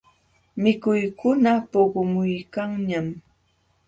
Mikuykuna puqumuykanñam.